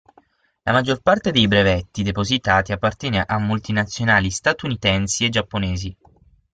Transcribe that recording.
La maggior parte dei brevetti depositati appartiene a multinazionali statunitensi e giapponesi.